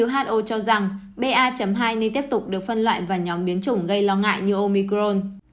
ho cho rằng ba hai nên tiếp tục được phân loại vào nhóm biến chủng gây lo ngại như omicron